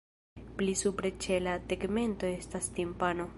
Pli supre ĉe la tegmento estas timpano.